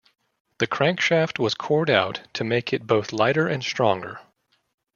The crankshaft was cored out to make it both lighter and stronger.